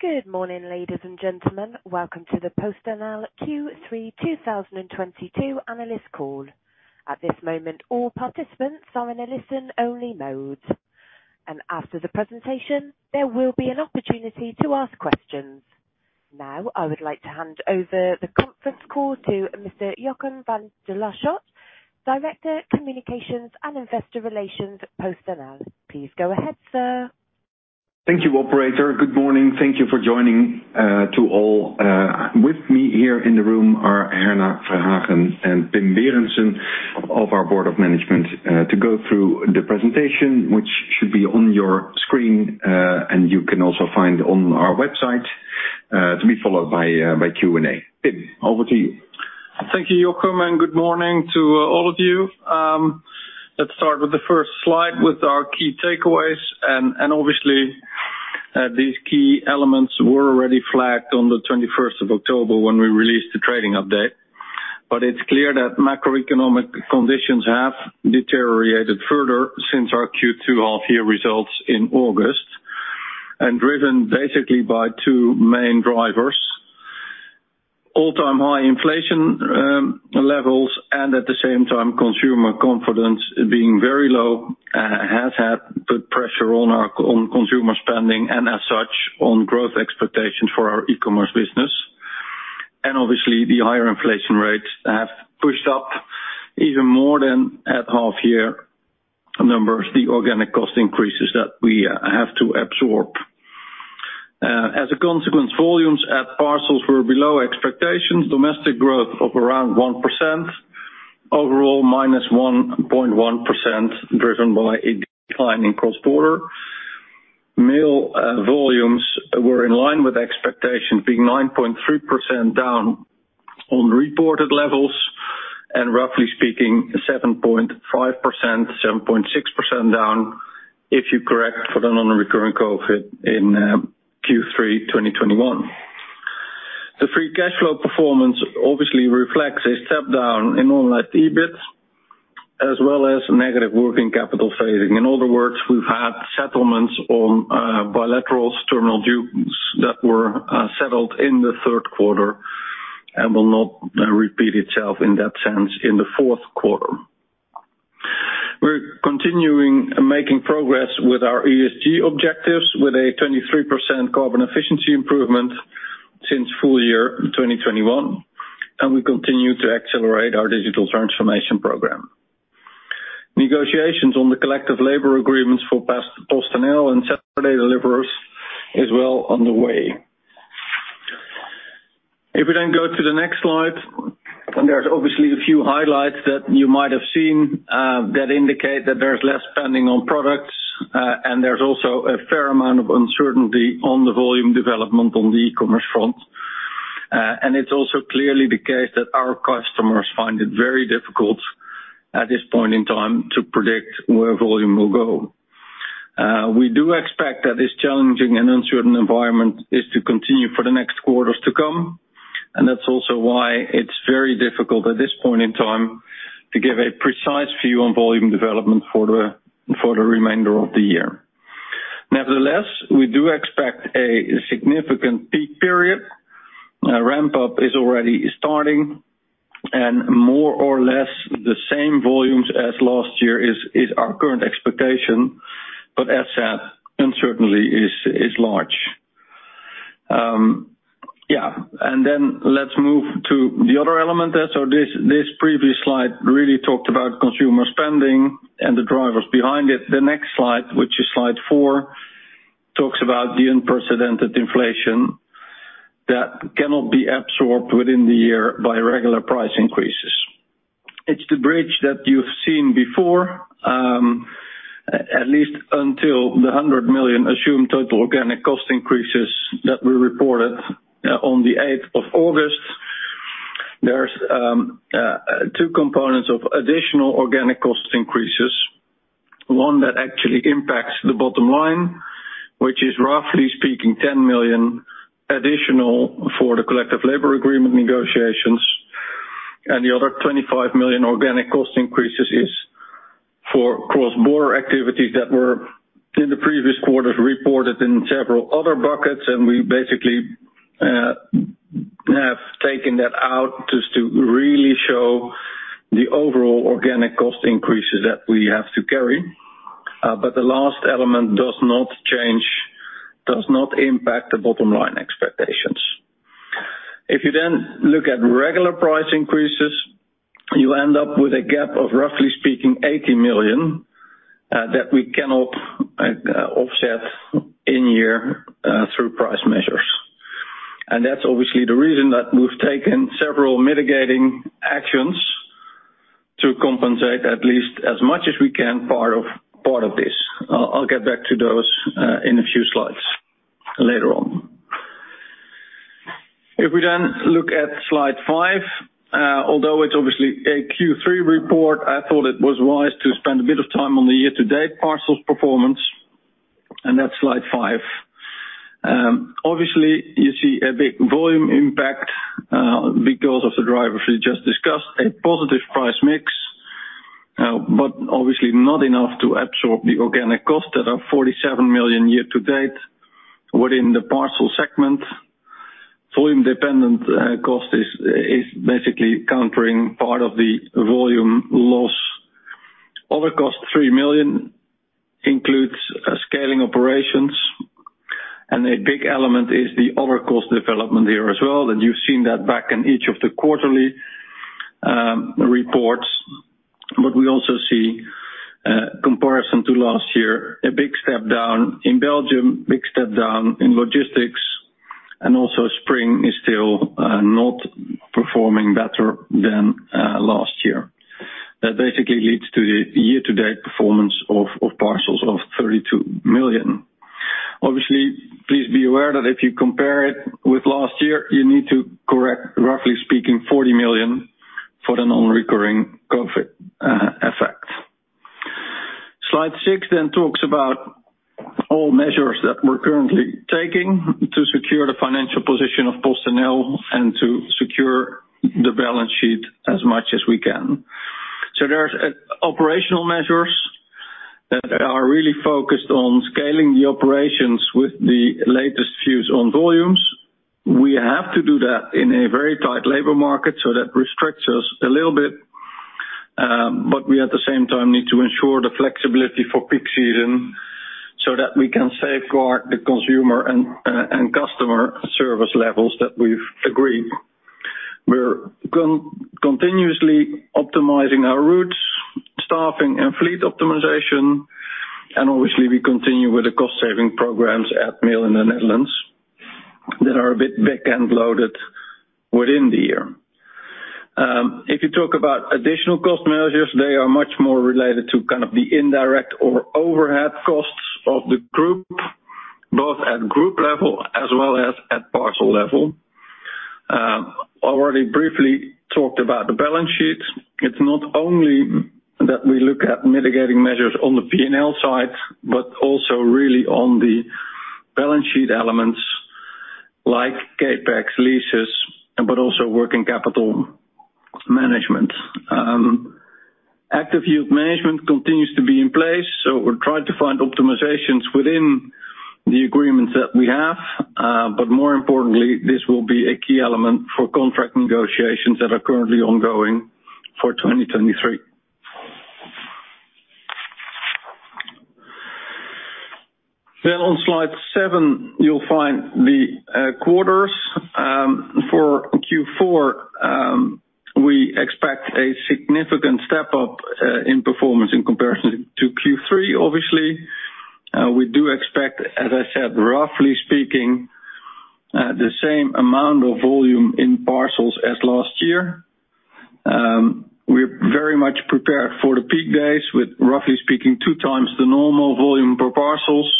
Good morning, ladies and gentlemen. Welcome to the PostNL Q3 2022 analyst call. At this moment, all participants are in a listen-only mode, and after the presentation, there will be an opportunity to ask questions. Now, I would like to hand over the conference call to Mr. Jochem van de Laarschot, Director Communications and Investor Relations at PostNL. Please go ahead, sir. Thank you, operator. Good morning. Thank you for joining to all. With me here in the room are Herna Verhagen and Pim Berendsen of our board of management to go through the presentation, which should be on your screen, and you can also find on our website to be followed by Q&A. Pim, over to you. Thank you, Jochem, and good morning to all of you. Let's start with the first slide with our key takeaways, and obviously, these key elements were already flagged on the twenty-first of October when we released the trading update. It's clear that macroeconomic conditions have deteriorated further since our Q2 half year results in August, and driven basically by two main drivers. All-time high inflation levels and at the same time, consumer confidence being very low has had put pressure on our consumer spending and as such, on growth expectations for our e-commerce business. Obviously, the higher inflation rates have pushed up even more than at half year numbers, the organic cost increases that we have to absorb. As a consequence, volumes at parcels were below expectations, domestic growth of around 1%, overall -1.1%, driven by a decline in cross-border. Mail volumes were in line with expectations, being 9.3% down on reported levels, and roughly speaking, 7.5%, 7.6% down if you correct for the non-recurring COVID in Q3 2021. The free cash flow performance obviously reflects a step down in normalized EBIT, as well as negative working capital phasing. In other words, we've had settlements on bilateral terminal dues that were settled in the third quarter and will not repeat itself in that sense in the fourth quarter. We're continuing making progress with our ESG objectives with a 23% carbon efficiency improvement since full year 2021, and we continue to accelerate our digital transformation program. Negotiations on the collective labor agreements for PostNL and Saturday deliverers is well underway. If we then go to the next slide, and there's obviously a few highlights that you might have seen, that indicate that there's less spending on products, and there's also a fair amount of uncertainty on the volume development on the e-commerce front. It's also clearly the case that our customers find it very difficult at this point in time to predict where volume will go. We do expect that this challenging and uncertain environment is to continue for the next quarters to come, and that's also why it's very difficult at this point in time to give a precise view on volume development for the remainder of the year. Nevertheless, we do expect a significant peak period. A ramp-up is already starting, and more or less the same volumes as last year is our current expectation. As said, uncertainty is large. Let's move to the other element there. This previous slide really talked about consumer spending and the drivers behind it. The next slide, which is slide four, talks about the unprecedented inflation that cannot be absorbed within the year by regular price increases. It's the bridge that you've seen before, at least until the 100 million assumed total organic cost increases that were reported on the 8th of August. There's two components of additional organic cost increases. One that actually impacts the bottom line, which is roughly speaking 10 million additional for the collective labor agreement negotiations. The other 25 million organic cost increases is for cross-border activities that were in the previous quarters, reported in several other buckets. We basically have taken that out just to really show the overall organic cost increases that we have to carry. The last element does not change, does not impact the bottom line expectations. If you then look at regular price increases, you end up with a gap of, roughly speaking, 80 million that we cannot offset in year through price measures. That's obviously the reason that we've taken several mitigating actions to compensate at least as much as we can part of this. I'll get back to those in a few slides later on. If we then look at slide five, although it's obviously a Q3 report, I thought it was wise to spend a bit of time on the year-to-date parcels performance, and that's slide five. Obviously you see a big volume impact, because of the drivers we just discussed, a positive price mix, but obviously not enough to absorb the organic costs that are 47 million year to date within the parcel segment. Volume dependent cost is basically countering part of the volume loss. Other cost, 3 million includes scaling operations, and a big element is the other cost development here as well, and you've seen that back in each of the quarterly reports. We also see comparison to last year, a big step down in Belgium, big step down in logistics, and also Spring is still not performing better than last year. That basically leads to the year-to-date performance of parcels of 32 million. Obviously, please be aware that if you compare it with last year, you need to correct, roughly speaking, 40 million for the non-recurring COVID effect. Slide six talks about all measures that we're currently taking to secure the financial position of PostNL and to secure the balance sheet as much as we can. There's operational measures that are really focused on scaling the operations with the latest views on volumes. We have to do that in a very tight labor market, so that restricts us a little bit, but we at the same time need to ensure the flexibility for peak season so that we can safeguard the consumer and customer service levels that we've agreed. We're continuously optimizing our routes, staffing and fleet optimization, and obviously we continue with the cost saving programs at Mail in the Netherlands that are a bit back-end loaded within the year. If you talk about additional cost measures, they are much more related to kind of the indirect or overhead costs of the group, both at group level as well as at parcel level. Already briefly talked about the balance sheet. It's not only that we look at mitigating measures on the P&L side, but also really on the balance sheet elements like CapEx leases, but also working capital management. Active yield management continues to be in place, so we try to find optimizations within the agreements that we have. But more importantly, this will be a key element for contract negotiations that are currently ongoing for 2023. On slide seven, you'll find the quarters. For Q4, we expect a significant step up in performance in comparison to Q3 obviously. We do expect, as I said, roughly speaking, the same amount of volume in parcels as last year. We're very much prepared for the peak days with, roughly speaking, 2x the normal volume per parcels.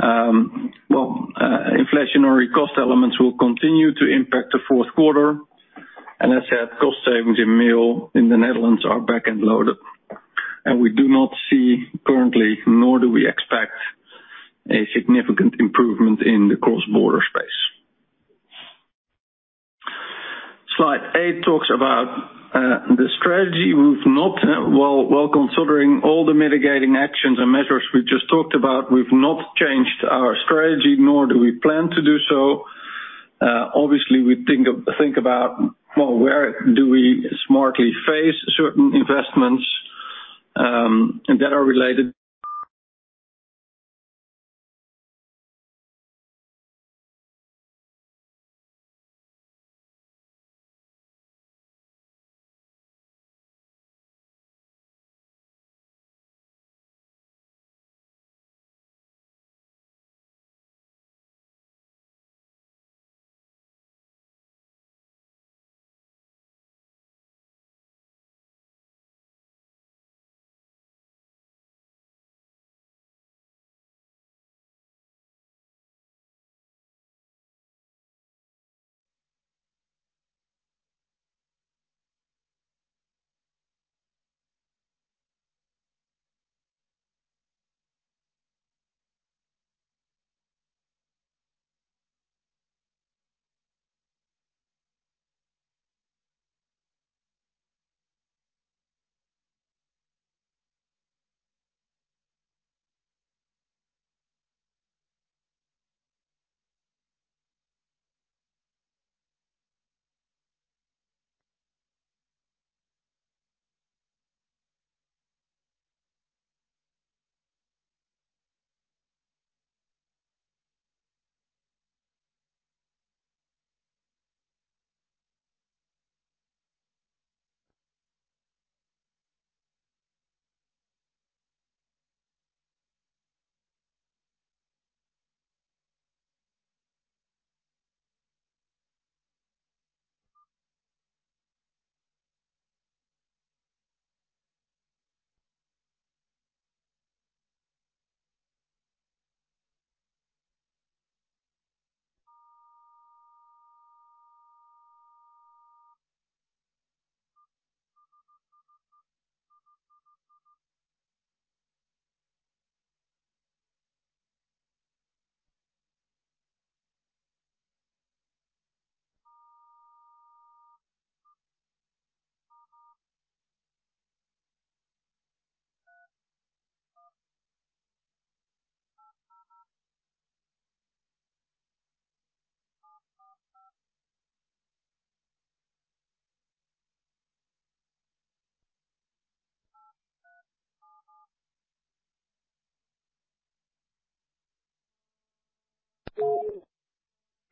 Well, inflationary cost elements will continue to impact the fourth quarter. As I said, cost savings in Mail in the Netherlands are back-end loaded. We do not see currently, nor do we expect a significant improvement in the cross-border space. Slide eight talks about the strategy. We've not, while considering all the mitigating actions and measures we just talked about, we've not changed our strategy, nor do we plan to do so. Obviously, we think about, well, where do we smartly place certain investments, and that are related-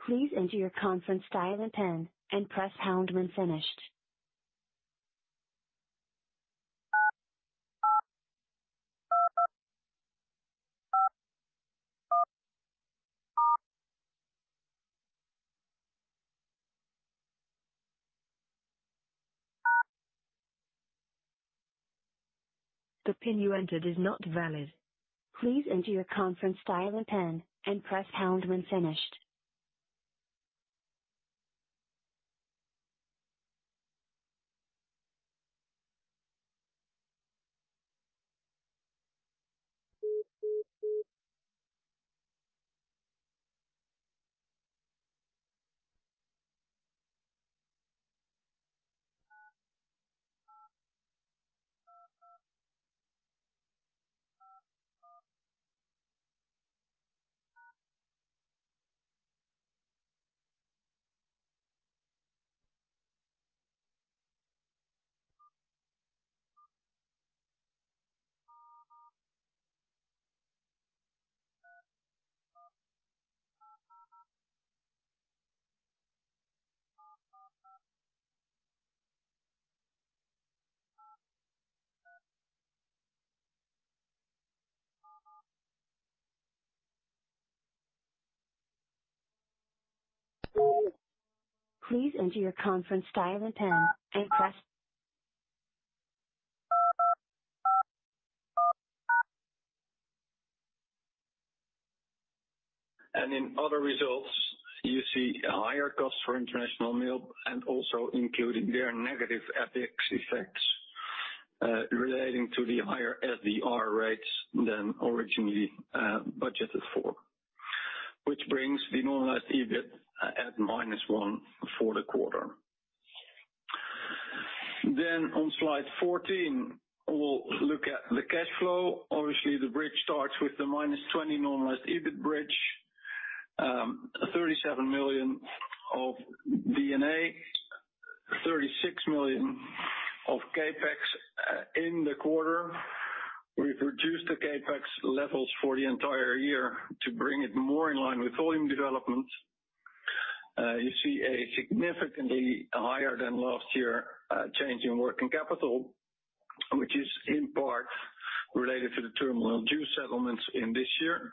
Please enter your conference dial and PIN, and press pound when finished. The PIN you entered is not valid. Please enter your conference dial and PIN, and press pound when finished. Please enter your conference dial and PIN, and press- In other results, you see higher costs for international mail and also including their negative FX effects, relating to the higher SDR rates than originally budgeted for, which brings the normalized EBIT at -1 for the quarter. On slide 14, we'll look at the cash flow. Obviously, the bridge starts with the -20 normalized EBIT bridge, 37 million of D&A, 36 million of CapEx in the quarter. We've reduced the CapEx levels for the entire year to bring it more in line with volume development. You see a significantly higher than last year change in working capital, which is in part related to the terminal dues settlements in this year.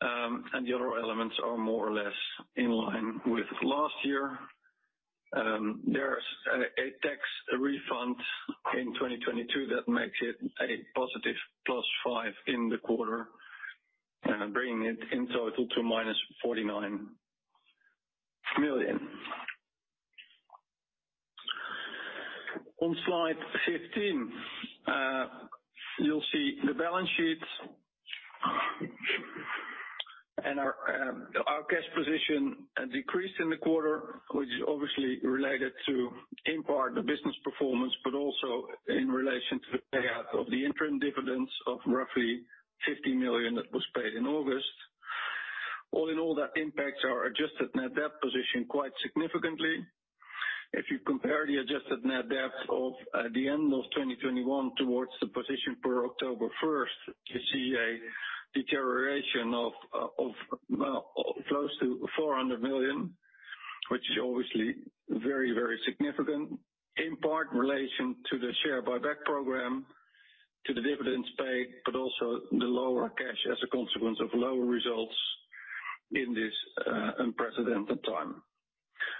The other elements are more or less in line with last year. There's a tax refund in 2022 that makes it a positive +5 in the quarter, bringing it in total to -49 million. On slide 15, you'll see the balance sheet. Our cash position decreased in the quarter, which is obviously related to, in part, the business performance, but also in relation to the payout of the interim dividends of roughly 50 million that was paid in August. All in all, that impacts our adjusted net debt position quite significantly. If you compare the adjusted net debt of the end of 2021 towards the position for October 1st, you see a deterioration of, well, close to 400 million, which is obviously very significant, in part relation to the share buyback program, to the dividends paid, but also the lower cash as a consequence of lower results in this unprecedented time.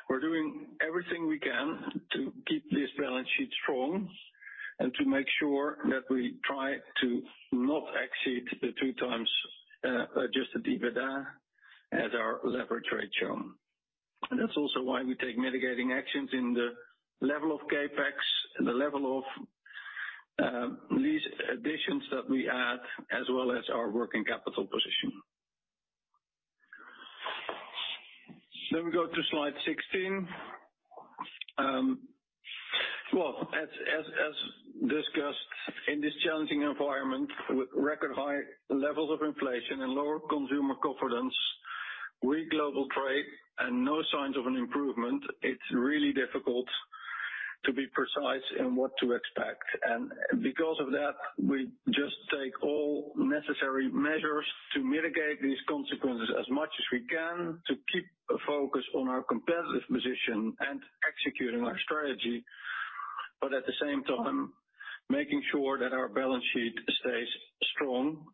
We're doing everything we can to keep this balance sheet strong and to make sure that we try to not exceed the 2x adjusted EBITDA as our leverage ratio. That's also why we take mitigating actions in the level of CapEx, the level of lease additions that we add, as well as our working capital position. We go to slide 16. Well, as discussed, in this challenging environment with record high levels of inflation and lower consumer confidence, weak global trade and no signs of an improvement, it's really difficult to be precise in what to expect. Because of that, we just take all necessary measures to mitigate these consequences as much as we can to keep a focus on our competitive position and executing our strategy. At the same time, making sure that our balance sheet stays strong.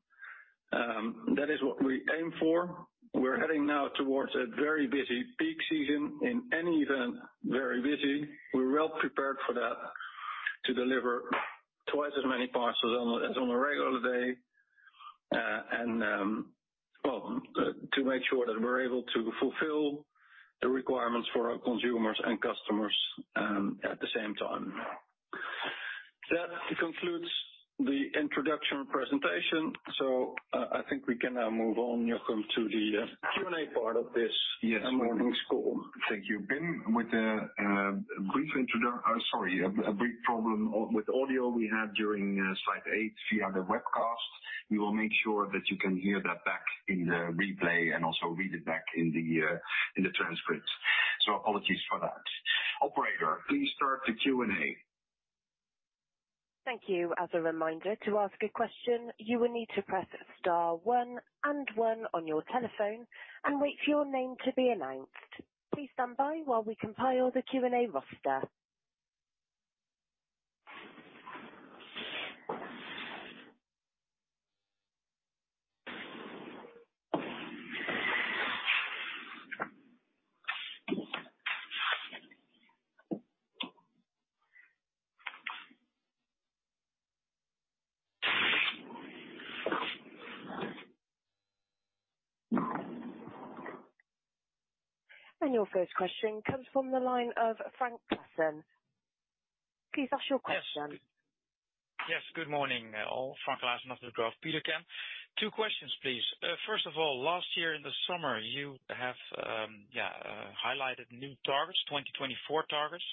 That is what we aim for. We're heading now towards a very busy peak season, in any event, very busy. We're well prepared for that to deliver twice as many parcels as on a regular day. To make sure that we're able to fulfill the requirements for our consumers and customers, at the same time. That concludes the introduction presentation, so I think we can now move on, Jochem, to the Q&A part of this. Yes. morning's call. Thank you. Pim, a brief problem with audio we had during slide eight via the webcast. We will make sure that you can hear that back in the replay and also read it back in the transcript. Apologies for that. Operator, please start the Q&A. Thank you. As a reminder, to ask a question, you will need to press star one and one on your telephone and wait for your name to be announced. Please stand by while we compile the Q&A roster. Your first question comes from the line of Frank Claassen. Please ask your question. Yes. Good morning, all. Frank Claassen of Degroof Petercam. Two questions, please. First of all, last year in the summer, you have highlighted new targets, 2024 targets,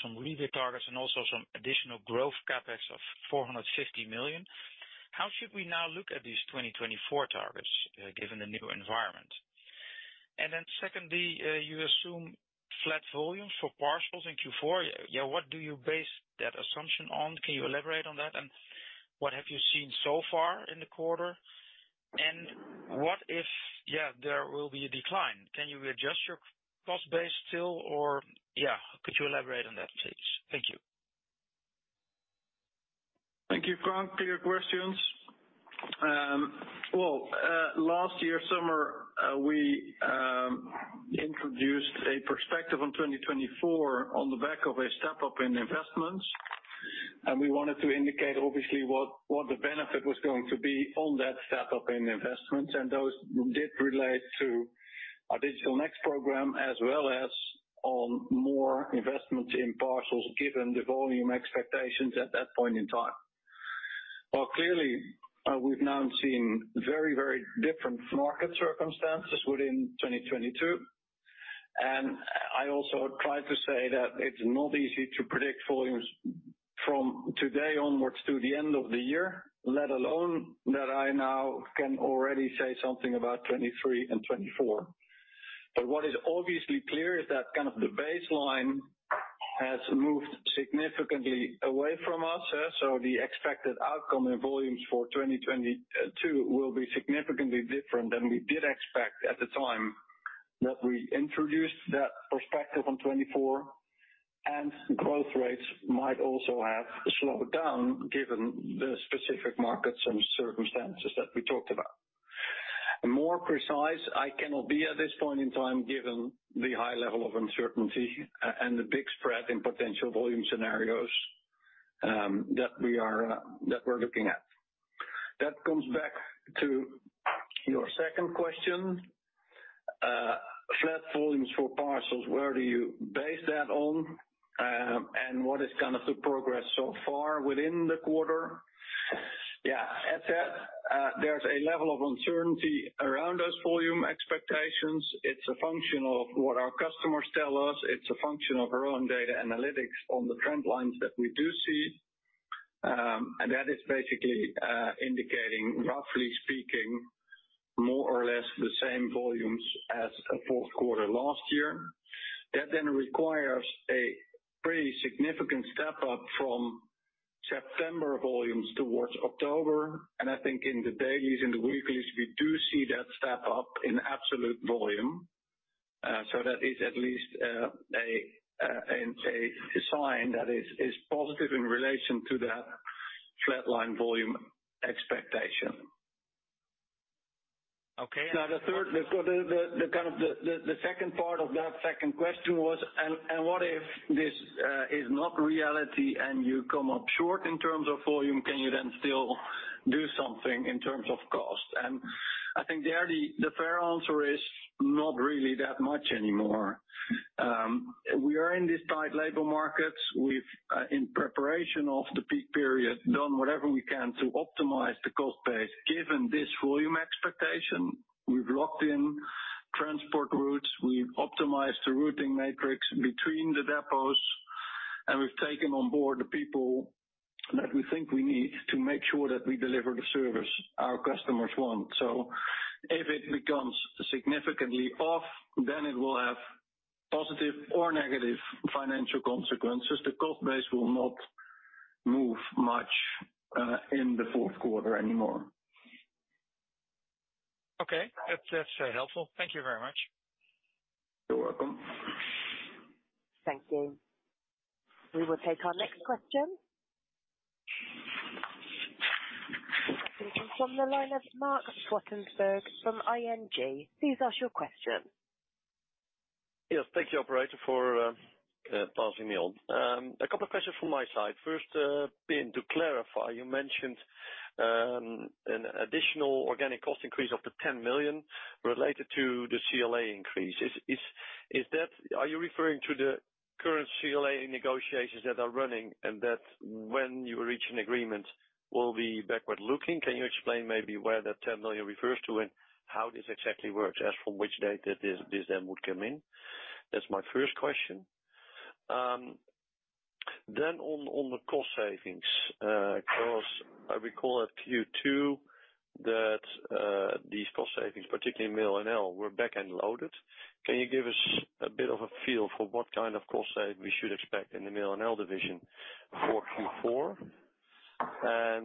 some revenue targets and also some additional growth CapEx of 450 million. How should we now look at these 2024 targets, given the new environment? Secondly, you assume flat volumes for parcels in Q4. What do you base that assumption on? Can you elaborate on that? What have you seen so far in the quarter? What if there will be a decline? Can you adjust your cost base still or could you elaborate on that, please? Thank you. Thank you, Frank, for your questions. Last year summer, we introduced a perspective on 2024 on the back of a step-up in investments. We wanted to indicate obviously what the benefit was going to be on that step-up in investments, and those did relate to our Digital Next program, as well as on more investments in parcels, given the volume expectations at that point in time. Clearly, we've now seen very, very different market circumstances within 2022. I also try to say that it's not easy to predict volumes from today onwards to the end of the year, let alone that I now can already say something about 2023 and 2024. What is obviously clear is that kind of the baseline has moved significantly away from us. The expected outcome in volumes for 2022 will be significantly different than we did expect at the time that we introduced that perspective on 2024, and growth rates might also have slowed down given the specific markets and circumstances that we talked about. More precise, I cannot be at this point in time, given the high level of uncertainty and the big spread in potential volume scenarios, that we're looking at. That comes back to your second question. Flat volumes for parcels, where do you base that on, and what is kinda the progress so far within the quarter? Yeah. As said, there's a level of uncertainty around those volume expectations. It's a function of what our customers tell us. It's a function of our own data analytics on the trend lines that we do see. That is basically indicating, roughly speaking, more or less the same volumes as a fourth quarter last year. That then requires a pretty significant step up from September volumes towards October, and I think in the dailies and the weeklies, we do see that step up in absolute volume. That is at least a sign that is positive in relation to that flatline volume expectation. Okay. Now, the second part of that second question was, what if this is not reality and you come up short in terms of volume, can you then still do something in terms of cost? I think the fair answer is not really that much anymore. We are in this tight labor market. We've in preparation of the peak period, done whatever we can to optimize the cost base. Given this volume expectation, we've locked in transport routes, we've optimized the routing matrix between the depots, and we've taken on board the people that we think we need to make sure that we deliver the service our customers want. If it becomes significantly off, then it will have positive or negative financial consequences. The cost base will not move much, in the fourth quarter anymore. Okay. That's helpful. Thank you very much. You're welcome. Thank you. We will take our next question. It is from the line of Marc Zwartsenburg from ING. Please ask your question. Yes, thank you, operator, for passing me on. A couple of questions from my side. First, Pim, to clarify, you mentioned an additional organic cost increase up to 10 million related to the CLA increase. Are you referring to the current CLA negotiations that are running and that when you reach an agreement will be backward-looking? Can you explain maybe where that 10 million refers to and how this exactly works as from which date that this then would come in? That's my first question. Then on the cost savings, 'cause I recall at Q2 that these cost savings, particularly Mail NL, were back-end loaded. Can you give us a bit of a feel for what kind of cost saving we should expect in the Mail NL division for Q4?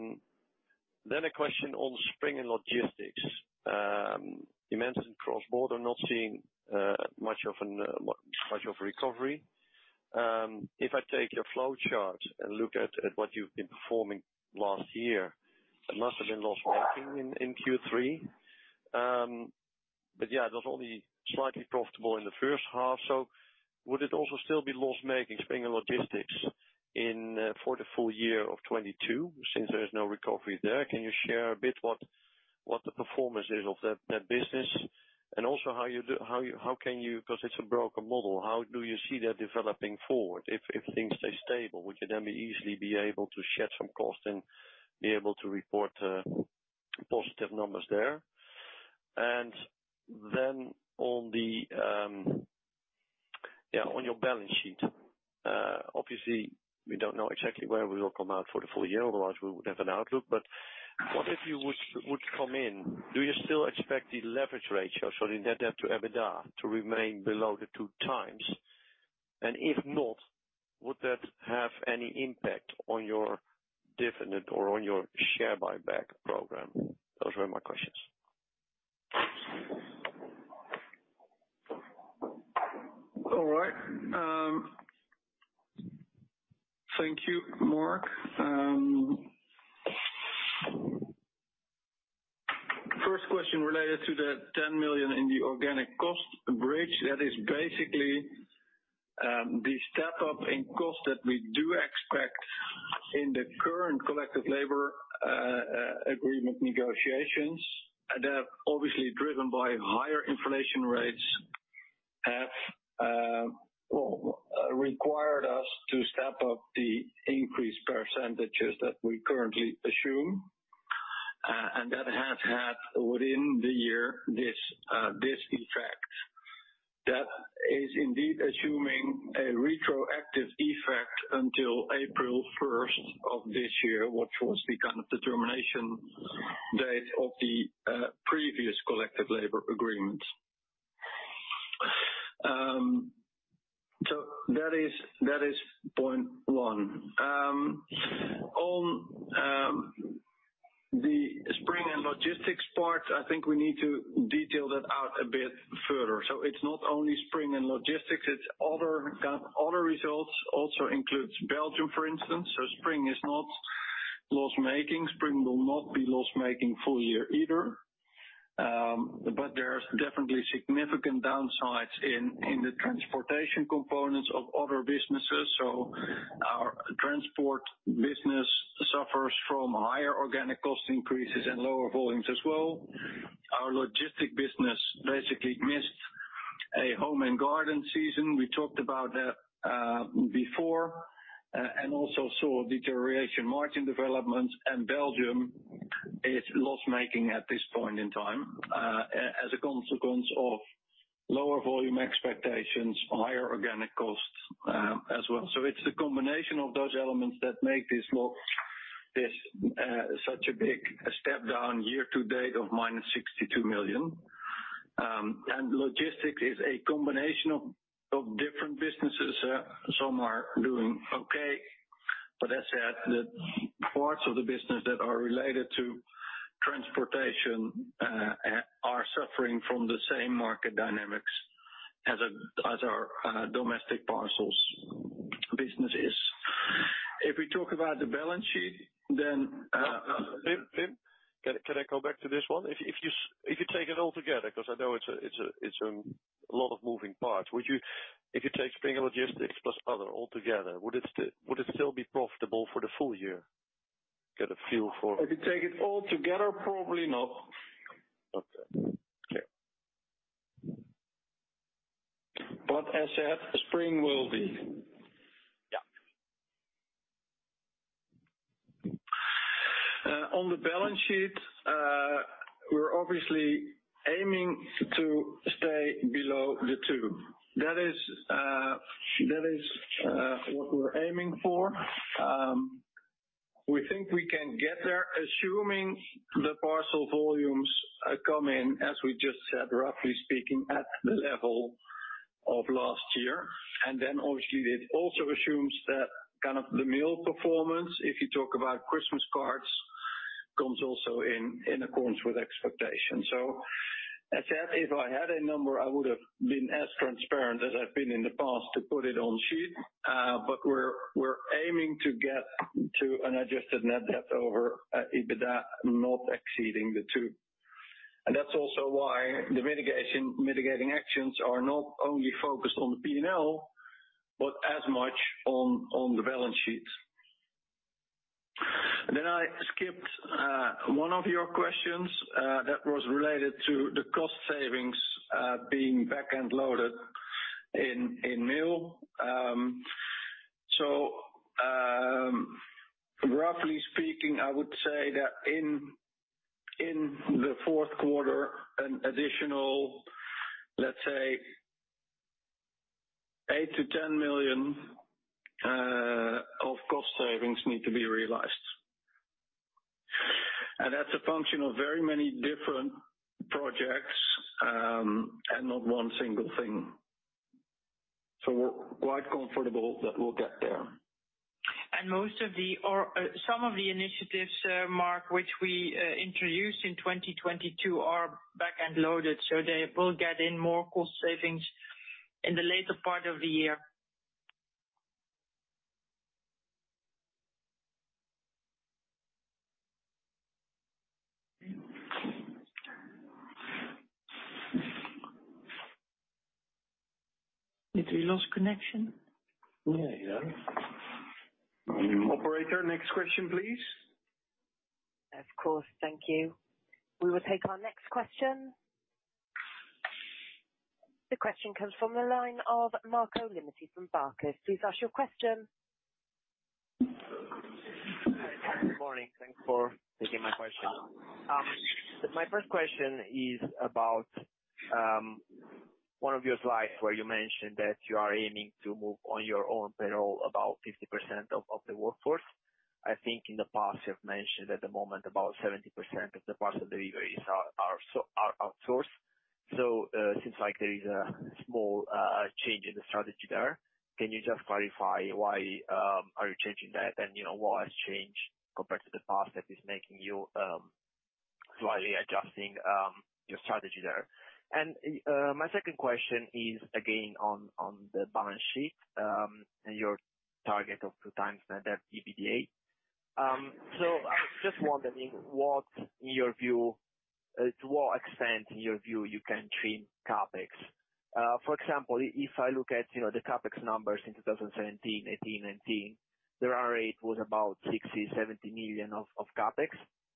Then a question on Spring and logistics. You mentioned cross-border not seeing much of a recovery. If I take your flowchart and look at what you've been performing last year, it must have been loss-making in Q3. But yeah, it was only slightly profitable in the first half. Would it also still be loss-making, Spring and logistics, in for the full year of 2022 since there is no recovery there? Can you share a bit what the performance is of that business and also how you can, 'cause it's a broken model, how do you see that developing forward if things stay stable? Would you then easily be able to shed some cost and be able to report positive numbers there? On your balance sheet, obviously, we don't know exactly where we will come out for the full year, otherwise we would have an outlook. What if you would come in? Do you still expect the leverage ratio, so the net debt to EBITDA, to remain below 2x? If not, would that have any impact on your dividend or on your share buyback program? Those were my questions. All right. Thank you, Mark. First question related to the 10 million in the organic cost bridge, that is basically the step-up in cost that we do expect in the current collective labor agreement negotiations. They're obviously driven by higher inflation rates, have well required us to step up the increased percentages that we currently assume, and that has had within the year this effect. That is indeed assuming a retroactive effect until April 1st of this year, which was the kind of the termination date of the previous collective labor agreement. That is point one. On the Spring and logistics part, I think we need to detail that out a bit further. It's not only Spring and logistics, it's other kind other results, also includes Belgium, for instance. Spring is not loss-making. Spring will not be loss-making full year either. There is definitely significant downsides in the transportation components of other businesses. Our transport business suffers from higher organic cost increases and lower volumes as well. Our logistics business basically missed a home and garden season. We talked about that before, and also saw a deterioration margin development, and Belgium is loss-making at this point in time, as a consequence of lower volume expectations, higher organic costs, as well. It's a combination of those elements that make this loss such a big step down year to date of -62 million. Logistics is a combination of different businesses. Some are doing okay. As I said, the parts of the business that are related to transportation are suffering from the same market dynamics as our domestic parcels business is. If we talk about the balance sheet, then Pim, can I go back to this one? If you take it all together, 'cause I know it's a lot of moving parts, if you take Spring and logistics plus other all together, would it still be profitable for the full year? Get a feel for- If you take it all together, probably not. Okay. Yeah. As I said, Spring will be. Yeah. On the balance sheet, we're obviously aiming to stay below the two. That is what we're aiming for. We think we can get there assuming the parcel volumes come in, as we just said, roughly speaking, at the level of last year. Then obviously it also assumes that kind of the mail performance, if you talk about Christmas cards, comes in accordance with expectations. As I said, if I had a number, I would have been as transparent as I've been in the past to put it on sheet. We're aiming to get to an adjusted net debt over EBITDA not exceeding the two. That's also why the mitigating actions are not only focused on the P&L, but as much on the balance sheet. I skipped one of your questions that was related to the cost savings being back-end loaded in mail. Roughly speaking, I would say that in the fourth quarter, an additional, let's say, 8 million-10 million of cost savings need to be realized. That's a function of very many different projects and not one single thing. We're quite comfortable that we'll get there. Some of the initiatives, Mark, which we introduced in 2022 are back-end loaded, so they will get in more cost savings in the later part of the year. Did we lose connection? Yeah. Operator, next question, please. Of course. Thank you. We will take our next question. The question comes from the line of Marco Limite from Barclays. Please ask your question. Good morning. Thanks for taking my question. My first question is about one of your slides where you mentioned that you are aiming to move on your own payroll about 50% of the workforce. I think in the past you have mentioned at the moment about 70% of the parcel deliveries are outsourced. Since there is a small change in the strategy there, can you just clarify why are you changing that? You know, what has changed compared to the past that is making you slightly adjusting your strategy there? My second question is again on the balance sheet and your target of 2x net EBITDA. I was just wondering what in your view, to what extent in your view you can trim CapEx. For example, if I look at, you know, the CapEx numbers in 2017, 2018, 2019, the run rate was about 60 million-70 million of CapEx.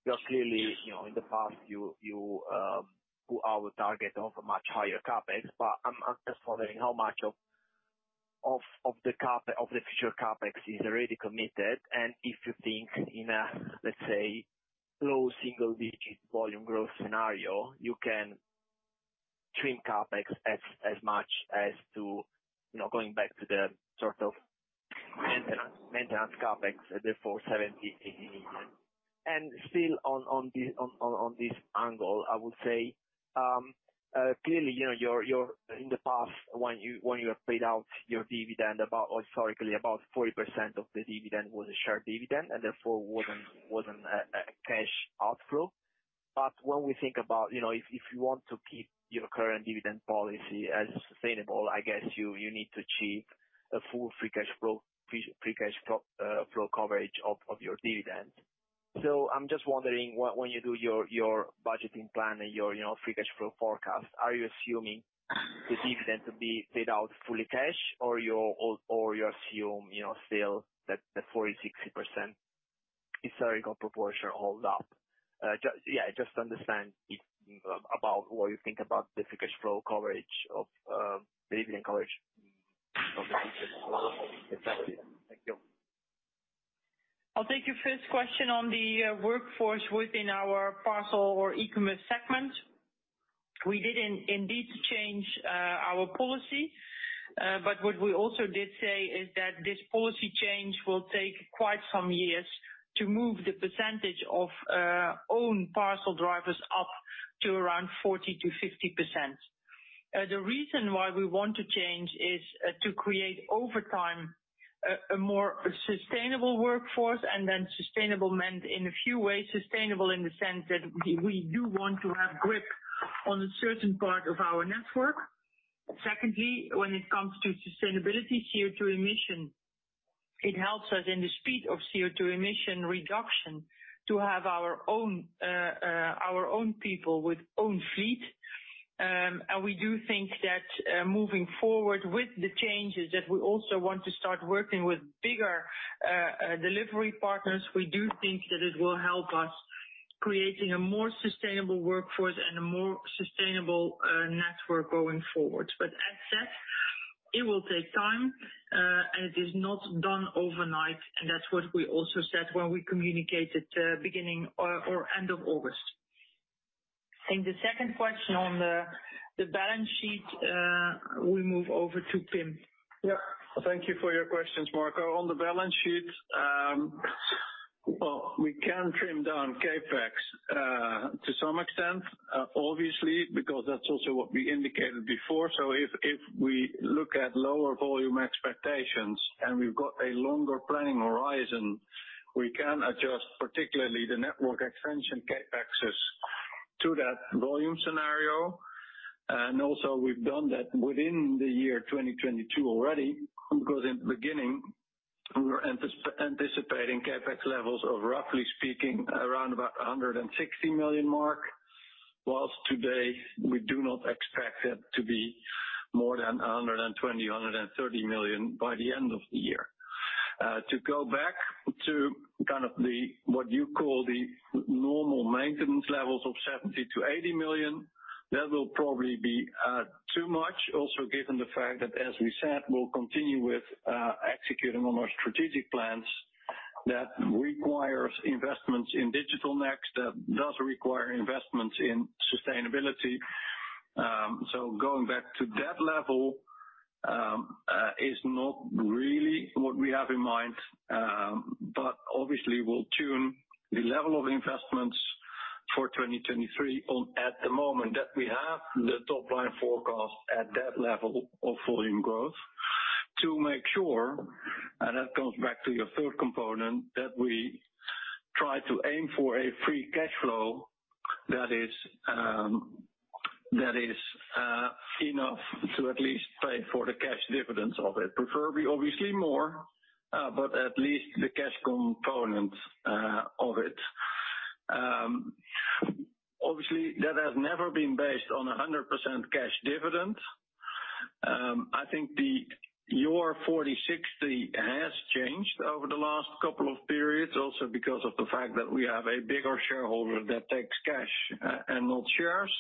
You are clearly, you know, in the past you put out a target of a much higher CapEx. I'm just wondering how much of the future CapEx is already committed. If you think in a, let's say, low single-digit volume growth scenario, you can trim CapEx as much as to, you know, going back to the sort of maintenance CapEx, therefore 70 million-80 million. Still on this angle, I would say, clearly, you know, you're in the past when you have paid out your dividend about historically about 40% of the dividend was a share dividend and therefore wasn't a cash outflow. When we think about, you know, if you want to keep your current dividend policy as sustainable, I guess you need to achieve a full free cash flow coverage of your dividends. I'm just wondering what when you do your budgeting plan and your, you know, free cash flow forecast, are you assuming the dividend to be paid out fully cash or you assume, you know, still that the 40%-60% historical proportion hold up? Just to understand what you think about the free cash flow coverage of the dividend in the future. Thank you. I'll take your first question on the workforce within our parcel or e-commerce segment. We did indeed change our policy. What we also did say is that this policy change will take quite some years to move the percentage of own parcel drivers up to around 40%-50%. The reason why we want to change is to create over time a more sustainable workforce and then sustainable meant in a few ways, sustainable in the sense that we do want to have grip on a certain part of our network. Secondly, when it comes to sustainability CO2 emission, it helps us in the speed of CO2 emission reduction to have our own people with own fleet. We do think that moving forward with the changes that we also want to start working with bigger delivery partners. We do think that it will help us creating a more sustainable workforce and a more sustainable network going forward. As said, it will take time and it is not done overnight. That's what we also said when we communicated beginning or end of August. I think the second question on the balance sheet we move over to Pim. Yeah. Thank you for your questions, Marco. On the balance sheet, well, we can trim down CapEx to some extent, obviously, because that's also what we indicated before. If we look at lower volume expectations and we've got a longer planning horizon, we can adjust particularly the network expansion CapEx to that volume scenario. Also we've done that within the year 2022 already, because in the beginning we were anticipating CapEx levels of roughly speaking around about 160 million mark. While today we do not expect it to be more than 120 million-130 million by the end of the year. To go back to kind of the, what you call the normal maintenance levels of 70 million-80 million, that will probably be too much. Also, given the fact that, as we said, we'll continue with executing on our strategic plans that requires investments in Digital Next, that does require investments in sustainability. Going back to that level is not really what we have in mind. Obviously we'll tune the level of investments for 2023 once we have the top line forecast at that level of volume growth to make sure, and that comes back to your third component, that we try to aim for a free cash flow that is enough to at least pay for the cash dividends of it. Preferably, obviously more, but at least the cash component of it. Obviously, that has never been based on a 100% cash dividend. Your 40%-60% has changed over the last couple of periods also because of the fact that we have a bigger shareholder that takes cash, and not shares.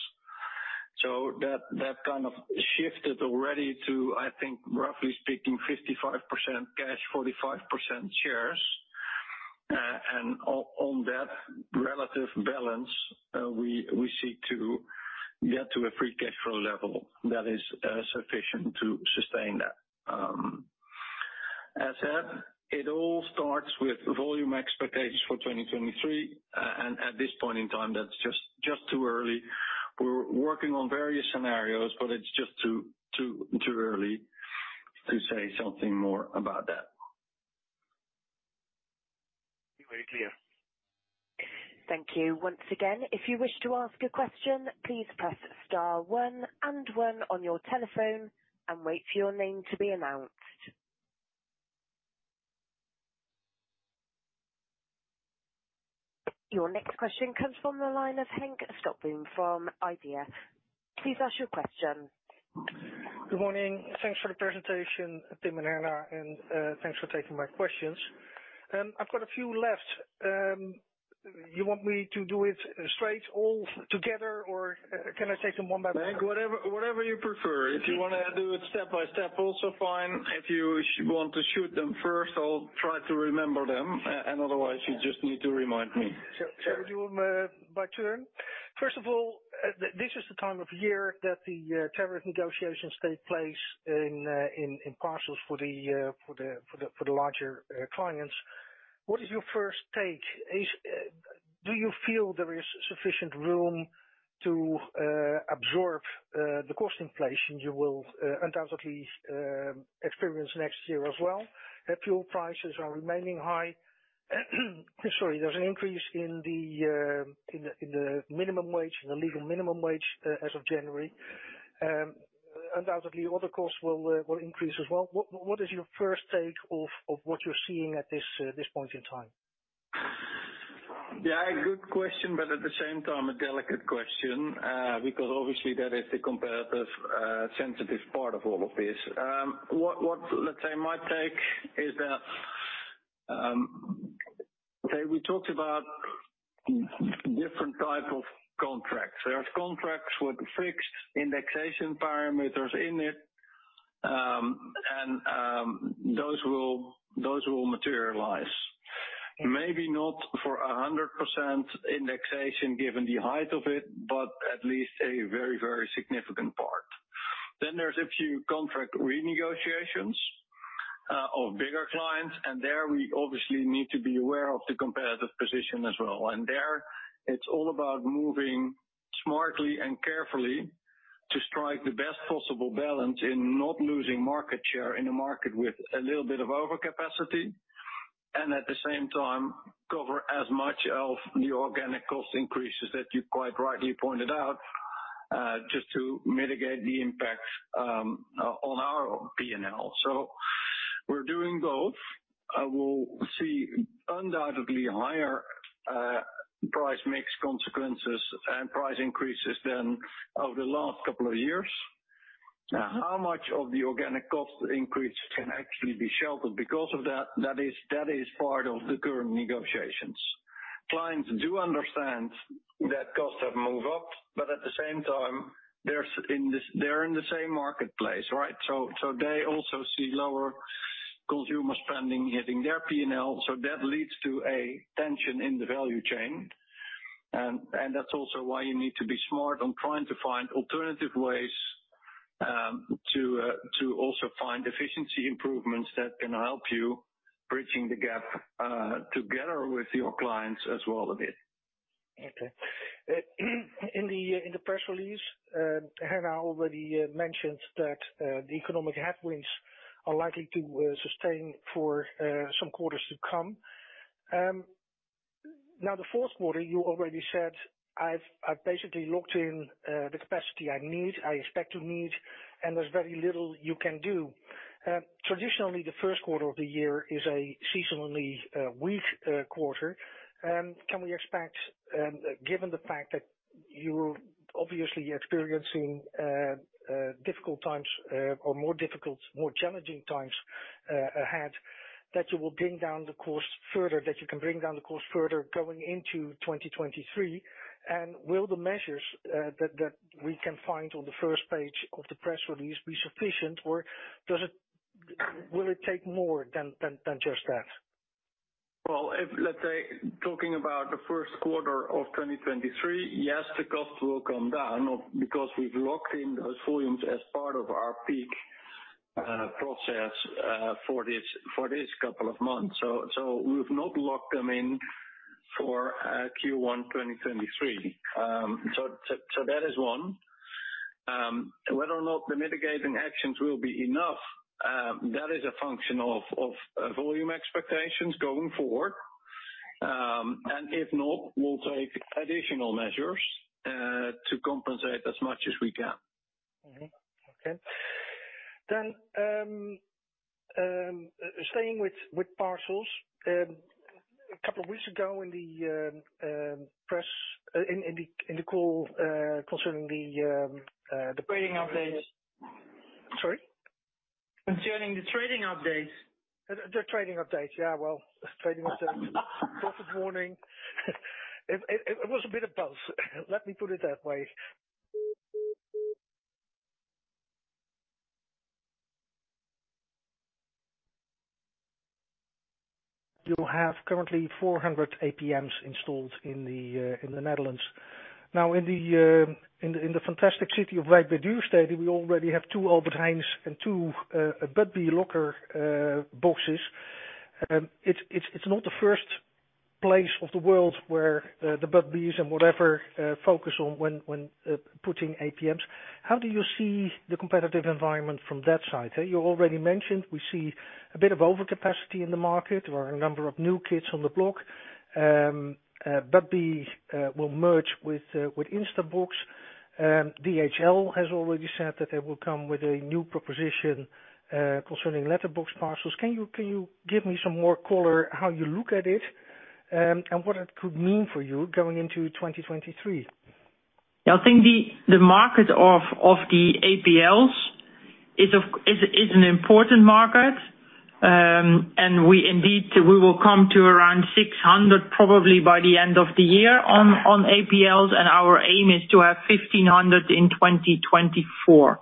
That kind of shifted already to, I think, roughly speaking, 55% cash, 45% shares. On that relative balance, we seek to get to a free cash flow level that is sufficient to sustain that. As said, it all starts with volume expectations for 2023. At this point in time, that's just too early. We're working on various scenarios, but it's just too early to say something more about that. Very clear. Thank you. Once again, if you wish to ask a question, please press star one and one on your telephone and wait for your name to be announced. Your next question comes from the line of Henk Slotboom from the IDEA!. Please ask your question. Good morning. Thanks for the presentation, Pim and Herna, and thanks for taking my questions. I've got a few left. You want me to do it straight all together, or can I take them one by one? Whatever, whatever you prefer. If you wanna do it step by step, also fine. If you want to shoot them first, I'll try to remember them, and otherwise you just need to remind me. Do them by turn. First of all, this is the time of year that the tariff negotiations take place in parcels for the larger clients. What is your first take? Do you feel there is sufficient room to absorb the cost inflation you will undoubtedly experience next year as well? The fuel prices are remaining high. There's an increase in the minimum wage, in the legal minimum wage, as of January. Undoubtedly other costs will increase as well. What is your first take of what you're seeing at this point in time? Yeah, a good question, but at the same time a delicate question, because obviously that is the comparative, sensitive part of all of this. Let's say my take is that, we talked about different type of contracts. There's contracts with fixed indexation parameters in it, and those will materialize. Maybe not for 100% indexation given the height of it, but at least a very, very significant part. Then there's a few contract renegotiations of bigger clients, and there we obviously need to be aware of the competitive position as well. There it's all about moving smartly and carefully to strike the best possible balance in not losing market share in a market with a little bit of overcapacity, and at the same time cover as much of the organic cost increases that you quite rightly pointed out, just to mitigate the impact, on our P&L. We're doing both. I will see undoubtedly higher, price mix consequences and price increases than over the last couple of years. Now, how much of the organic cost increase can actually be sheltered because of that? That is part of the current negotiations. Clients do understand that costs have moved up, but at the same time, they're in the same marketplace, right? They also see lower consumer spending hitting their P&L. That leads to a tension in the value chain. That's also why you need to be smart on trying to find alternative ways to also find efficiency improvements that can help you bridging the gap together with your clients as well a bit. Okay. In the press release, Herna already mentioned that the economic headwinds are likely to sustain for some quarters to come. Now the fourth quarter, you already said I've basically locked in the capacity I need, I expect to need, and there's very little you can do. Traditionally, the first quarter of the year is a seasonally weak quarter. Can we expect, given the fact that you're obviously experiencing difficult times, or more difficult, more challenging times ahead, that you will bring down the cost further, that you can bring down the cost further going into 2023? Will the measures that we can find on the first page of the press release be sufficient, or does it will it take more than just that? Well, if, let's say, talking about the first quarter of 2023, yes, the cost will come down not because we've locked in those volumes as part of our peak process for this couple of months. [We have not locked in for Q1 2023]. That is one. Whether or not the mitigating actions will be enough, that is a function of volume expectations going forward. If not, we'll take additional measures to compensate as much as we can. Mm-hmm. Okay. Staying with parcels. A couple of weeks ago in the call concerning the Trading update. Sorry? Concerning the trading update. The trading update. Yeah, well, trading update. Proper warning. It was a bit of both. Let me put it that way. You have currently 400 APMs installed in the Netherlands. Now, in the fantastic city of Wijk bij Duurstede, we already have two Albert Heijns and two Budbee locker boxes. It's not the first place in the world where the Budbees and whatever focus on when putting APMs. How do you see the competitive environment from that side? You already mentioned we see a bit of overcapacity in the market or a number of new kids on the block. Budbee will merge with Instabox. DHL has already said that they will come with a new proposition concerning letterbox parcels. Can you give me some more color how you look at it, and what it could mean for you going into 2023? Yeah. I think the market of the APLs is an important market. We indeed will come to around 600 probably by the end of the year on APLs, and our aim is to have 1,500 in 2024.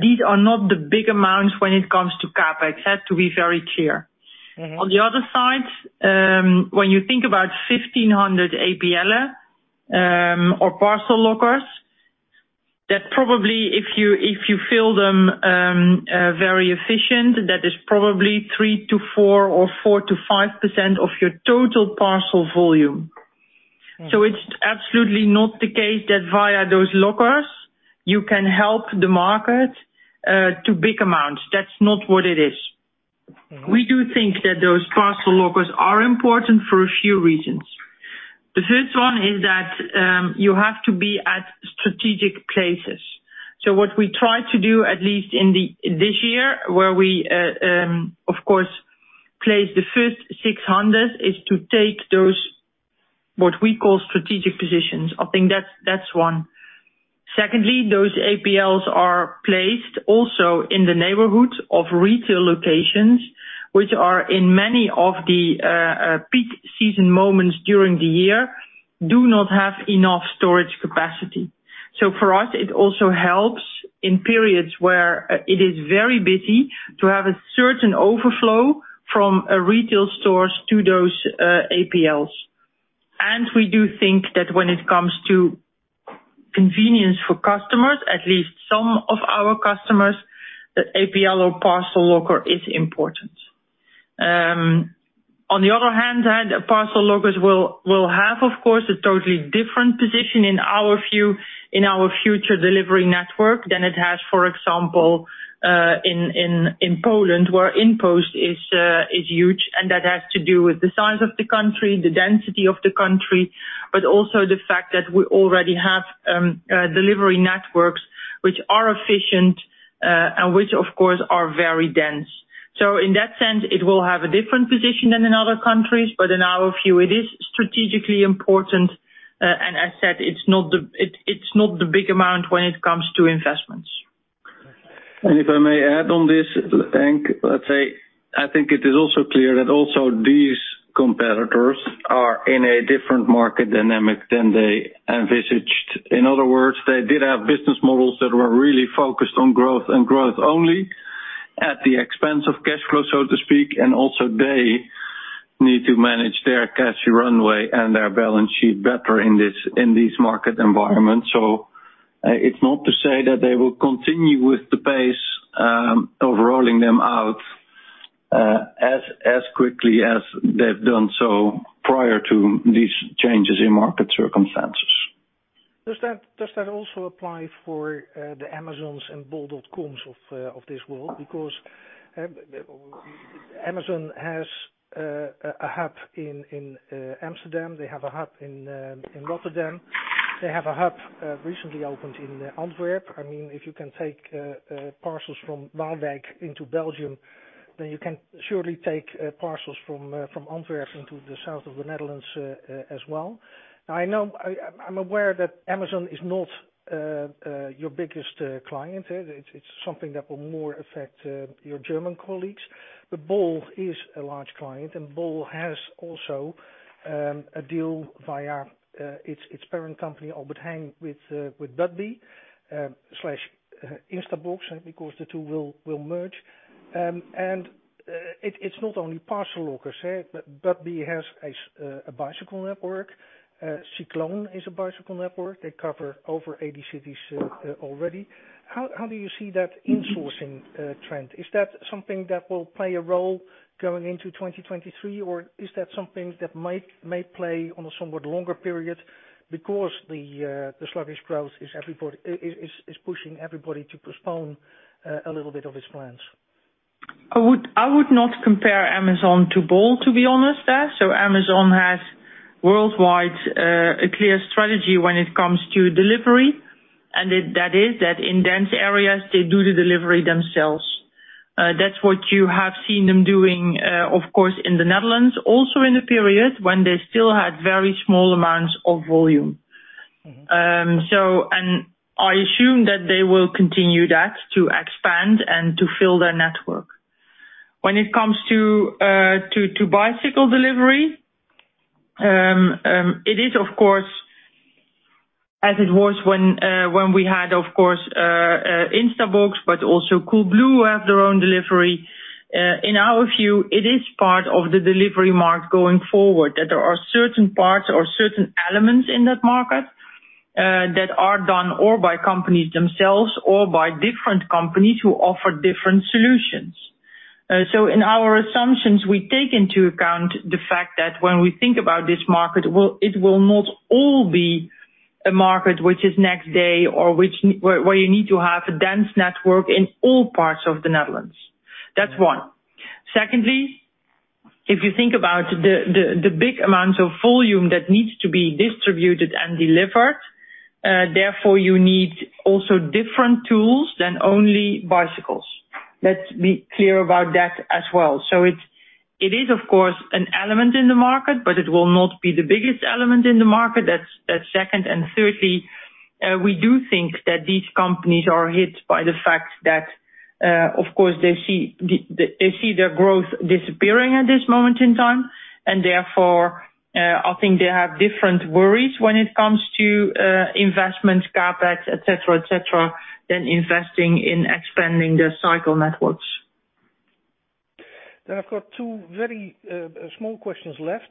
These are not the big amounts when it comes to CapEx. I have to be very clear. Mm-hmm. On the other side, when you think about 1,500 APL, or parcel lockers, that probably, if you fill them very efficient, is probably 3%-4% or 4%-5% of your total parcel volume. Mm-hmm. It's absolutely not the case that via those lockers you can help the market to big amounts. That's not what it is. Mm-hmm. We do think that those parcel lockers are important for a few reasons. The first one is that, you have to be at strategic places. What we try to do, at least in this year, where we, of course place the first 600 is to take those, what we call strategic positions. I think that's one. Secondly, those APLs are placed also in the neighborhoods of retail locations, which are in many of the, peak season moments during the year do not have enough storage capacity. For us, it also helps in periods where, it is very busy to have a certain overflow from a retail stores to those, APLs. We do think that when it comes to convenience for customers, at least some of our customers, that APL or parcel locker is important. On the other hand, the parcel lockers will have of course a totally different position in our view, in our future delivery network than it has, for example, in Poland, where InPost is huge. That has to do with the size of the country, the density of the country, but also the fact that we already have delivery networks which are efficient, and which of course are very dense. In that sense, it will have a different position than in other countries, but in our view, it is strategically important. As said, it's not the big amount when it comes to investments. If I may add on this, Henk, let's say, I think it is also clear that also these competitors are in a different market dynamic than they envisioned. In other words, they did have business models that were really focused on growth and growth only at the expense of cash flow, so to speak. Also they need to manage their cash runway and their balance sheet better in this market environment. It's not to say that they will continue with the pace of rolling them out as quickly as they've done so prior to these changes in market circumstances. Does that also apply for the Amazons and bol.coms of this world? Because Amazon has a hub in Amsterdam, they have a hub in Rotterdam, they have a hub recently opened in Antwerp. I mean, if you can take parcels from Waalwijk into Belgium, then you can surely take parcels from Antwerp into the south of the Netherlands as well. I know, I'm aware that Amazon is not your biggest client. It's something that will more affect your German colleagues. Bol is a large client, and bol has also a deal via its parent company, Albert Heijn, with Budbee slash Instabox, because the two will merge. It's not only parcel lockers, but Budbee has a bicycle network. Cycloon is a bicycle network. They cover over 80 cities already. How do you see that insourcing trend? Is that something that will play a role going into 2023, or is that something that might play on a somewhat longer period because the sluggish growth is pushing everybody to postpone a little bit of its plans? I would not compare Amazon to bol, to be honest, so Amazon has worldwide, a clear strategy when it comes to delivery, and that is that in dense areas, they do the delivery themselves. That's what you have seen them doing, of course, in the Netherlands, also in the period when they still had very small amounts of volume. Mm-hmm. I assume that they will continue that to expand and to fill their network. When it comes to bicycle delivery, it is, of course, as it was when we had, of course, Instabox, but also Coolblue have their own delivery. In our view, it is part of the delivery market going forward, that there are certain parts or certain elements in that market, that are done by companies themselves or by different companies who offer different solutions. In our assumptions, we take into account the fact that when we think about this market, it will not all be a market which is next day or where you need to have a dense network in all parts of the Netherlands. That's one. Secondly, if you think about the big amounts of volume that needs to be distributed and delivered, therefore you need also different tools than only bicycles. Let's be clear about that as well. It's, of course, an element in the market, but it will not be the biggest element in the market. That's second. Thirdly, we do think that these companies are hit by the fact that, of course, they see their growth disappearing at this moment in time, and therefore, I think they have different worries when it comes to investments, CapEx, et cetera, et cetera, than investing in expanding their cycle networks. I've got two very small questions left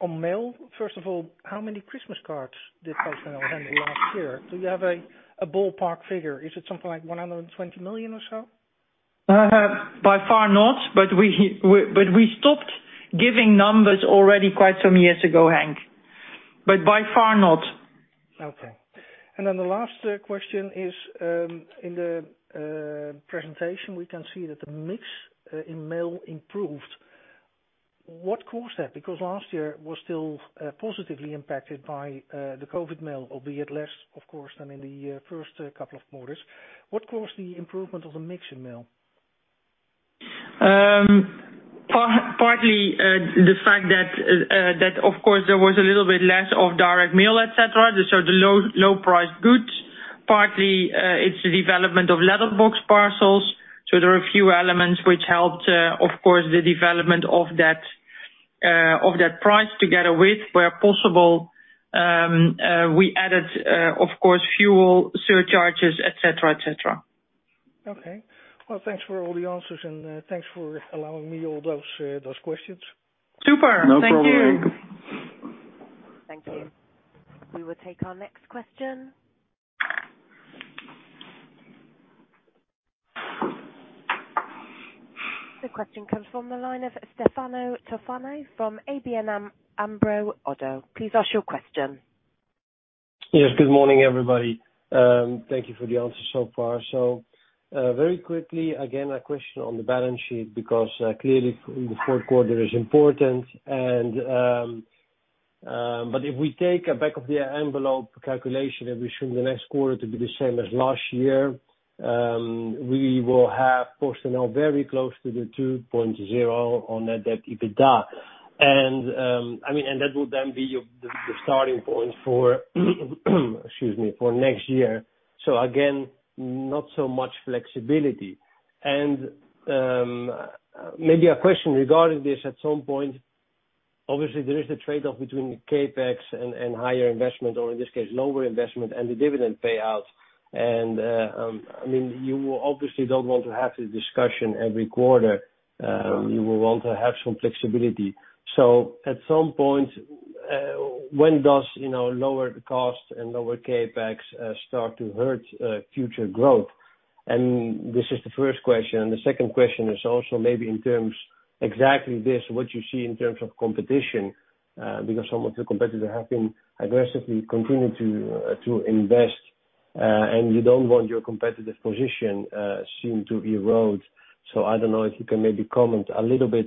on mail. First of all, how many Christmas cards did PostNL handle last year? Do you have a ballpark figure? Is it something like 120 million or so? By far not, but we stopped giving numbers already quite some years ago, Henk. By far not. Okay. The last question is, in the presentation, we can see that the mix in mail improved. What caused that? Because last year was still positively impacted by the COVID mail, albeit less, of course, than in the first couple of quarters. What caused the improvement of the mix in mail? Partly, the fact that of course there was a little bit less of direct mail, et cetera, so the low-priced goods. Partly, it's the development of letterbox parcels. There are a few elements which helped, of course, the development of that price together with where possible, we added, of course, fuel surcharges, et cetera. Okay. Well, thanks for all the answers and, thanks for allowing me all those questions. Super. Thank you. No problem. Thank you. We will take our next question. The question comes from the line of Stefano Toffano from ABN AMRO - ODDO BHF. Please ask your question. Yes, good morning, everybody. Thank you for the answers so far. Very quickly, again, a question on the balance sheet, because clearly the fourth quarter is important, but if we take a back-of-the-envelope calculation, and we assume the next quarter to be the same as last year, we will have PostNL very close to the 2.0 on net debt to EBITDA. That would then be the starting point for, excuse me, next year. Again, not so much flexibility. Maybe a question regarding this at some point. Obviously, there is the trade-off between CapEx and higher investment, or in this case, lower investment and the dividend payouts. You obviously don't want to have this discussion every quarter. You will want to have some flexibility. At some point, when does, you know, lower costs and lower CapEx start to hurt future growth? This is the first question. The second question is also maybe in terms exactly this, what you see in terms of competition, because some of the competitor have been aggressively continuing to invest, and you don't want your competitive position soon to erode. I don't know if you can maybe comment a little bit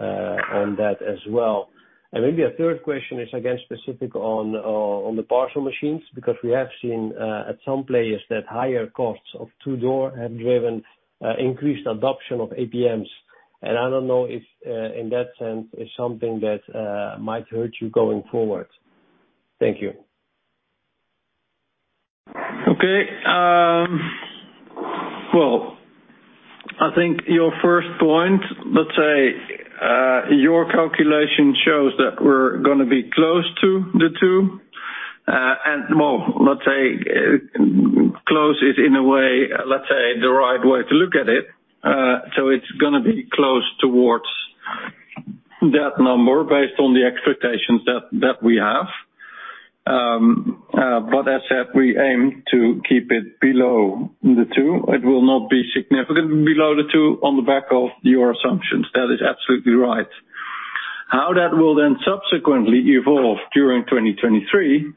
on that as well. Maybe a third question is again, specific on the parcel machines, because we have seen at some places that higher costs of two-door have driven increased adoption of APMs. I don't know if in that sense is something that might hurt you going forward. Thank you. Okay. Well, I think your first point, let's say, your calculation shows that we're gonna be close to the 2, and well, let's say close is in a way, let's say the right way to look at it. It's gonna be close towards that number based on the expectations that we have. As said, we aim to keep it below the 2. It will not be significantly below the 2 on the back of your assumptions. That is absolutely right. How that will then subsequently evolve during 2023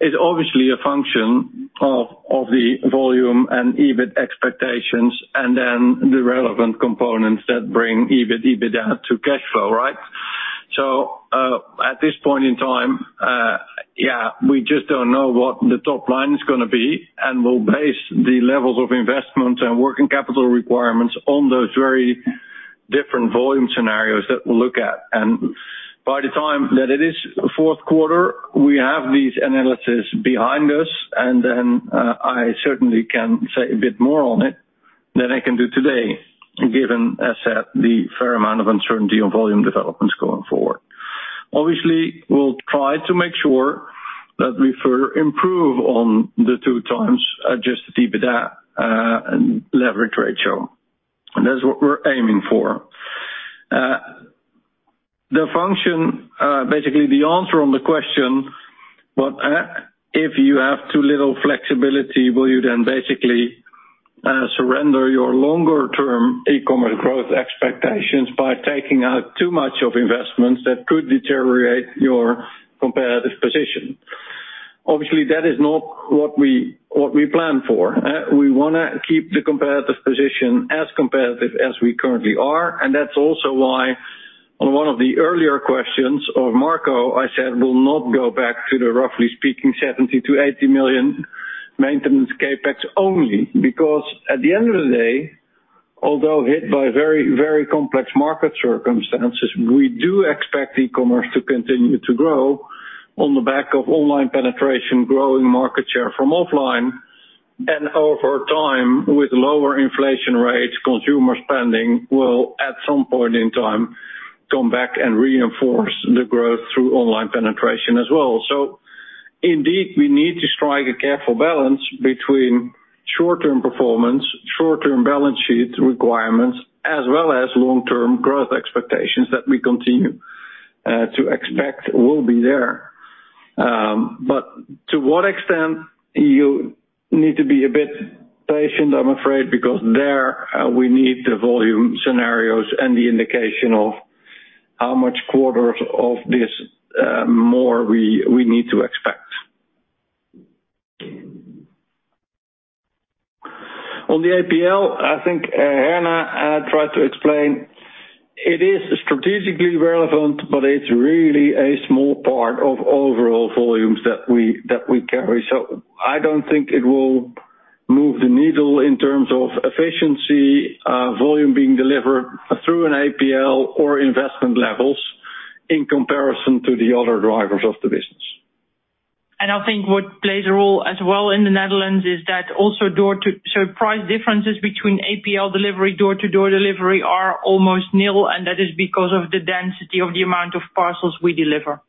is obviously a function of the volume and EBIT expectations, and then the relevant components that bring EBIT, EBITDA to cash flow, right? At this point in time, we just don't know what the top line's gonna be, and we'll base the levels of investment and working capital requirements on those very different volume scenarios that we'll look at. By the time that it is fourth quarter, we have these analysis behind us, and then I certainly can say a bit more on it than I can do today, given, as said, the fair amount of uncertainty on volume developments going forward. Obviously, we'll try to make sure that we further improve on the 2x adjusted EBITDA and leverage ratio. That's what we're aiming for. The function, basically the answer on the question, what if you have too little flexibility, will you then basically surrender your longer term e-commerce growth expectations by taking out too much of investments that could deteriorate your competitive position? Obviously, that is not what we plan for. We wanna keep the competitive position as competitive as we currently are. That's also why on one of the earlier questions of Marco, I said, we'll not go back to the roughly speaking 70 million-80 million maintenance CapEx only. Because at the end of the day, although hit by very, very complex market circumstances, we do expect e-commerce to continue to grow on the back of online penetration growing market share from offline, and over time, with lower inflation rates, consumer spending will at some point in time come back and reinforce the growth through online penetration as well. Indeed, we need to strike a careful balance between short-term performance, short-term balance sheet requirements, as well as long-term growth expectations that we continue to expect will be there. To what extent, you need to be a bit patient, I'm afraid, because there, we need the volume scenarios and the indication of how much quarters of this, more we need to expect. On the APL, I think Herna tried to explain it is strategically relevant, but it's really a small part of overall volumes that we carry. I don't think it will move the needle in terms of efficiency, volume being delivered through an APL or investment levels in comparison to the other drivers of the business. I think what plays a role as well in the Netherlands is that price differences between APL delivery and door-to-door delivery are almost nil, and that is because of the density of the amount of parcels we deliver.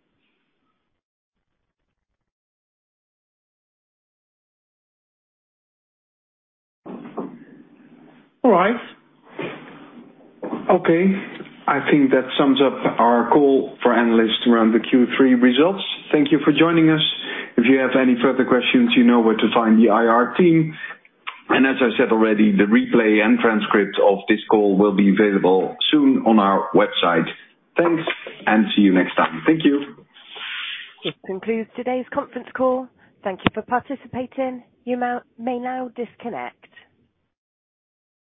All right. Okay, I think that sums up our call for analysts around the Q3 results. Thank you for joining us. If you have any further questions, you know where to find the IR team. As I said already, the replay and transcript of this call will be available soon on our website. Thanks and see you next time. Thank you. This concludes today's conference call. Thank you for participating. You may now disconnect.